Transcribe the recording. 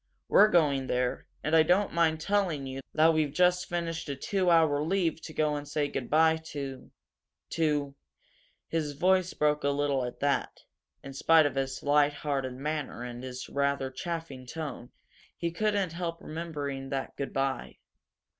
We're going there, and I don't mind telling you that we've just finished a two hour leave to go and say good bye to to " His voice broke a little at that. In spite of his light hearted manner and his rather chaffing tone, he couldn't help remembering that good bye.